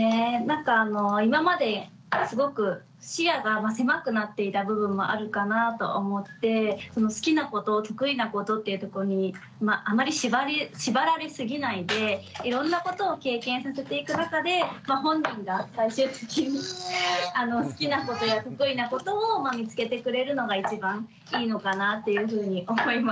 なんか今まですごく視野が狭くなっていた部分もあるかなと思って好きなこと得意なことっていうとこにあまり縛られすぎないでいろんなことを経験させていく中で本人が最終的に好きなことや得意なことを見つけてくれるのが一番いいのかなっていうふうに思いました。